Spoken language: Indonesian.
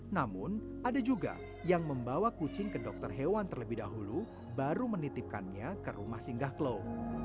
namun ada juga yang membawa kucing ke dokter hewan terlebih dahulu baru menitipkannya ke rumah singgah klau